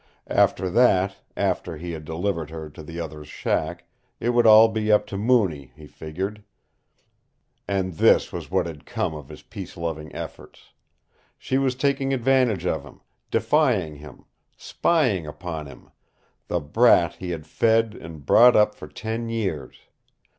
After that after he had delivered her to the other's shack it would all be up to Mooney, he figured. And this was what had come of his peace loving efforts! She was taking advantage of him, defying him, spying upon him the brat he had fed and brought up for ten years!